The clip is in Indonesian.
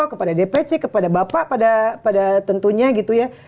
kepada dpc kepada bapak pada tentunya gitu ya